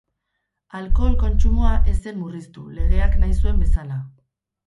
Alkohol kontsumoa ez zen murriztu, legeak nahi zuen bezala.